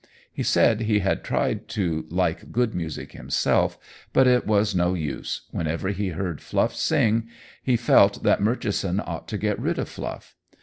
He said he had tried to like good music himself, but it was no use: whenever he heard Fluff sing, he felt that Murchison ought to get rid of Fluff.